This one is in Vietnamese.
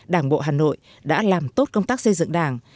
đảng bộ hà nội đã làm tốt công tác xây dựng đảng